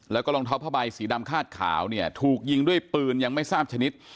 แล้วก็รองเท้าผ้าใบสีดำคาดขาวเนี่ยถูกยิงด้วยปืนยังไม่ทราบชนิด